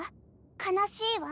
悲しいは？